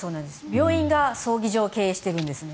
病院が葬儀所を経営してるんですね。